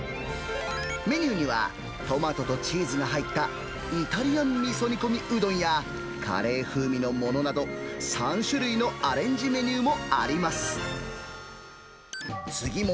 メニューには、トマトとチーズが入ったイタリアン味噌煮込みうどんや、カレー風味のものなど、３種類のアレンジメニューもあります。